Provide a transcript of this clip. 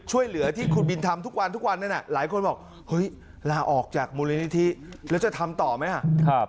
ด้วยเหลือที่คุณบินทำทุกวันหลายคนบอกลาออกจากมูลนิธิแล้วจะทำต่อไหมครับ